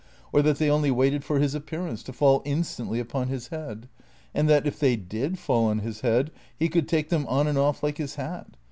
Or that they only waited for his appearance, to fall instantly upon his head? And that, if they did fall on his head, he could take them on and off like his hat?